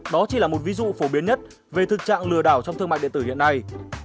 đó chỉ là một ví dụ phổ biến nhất về thực trạng lừa đảo trong thương mại điện tử hiện nay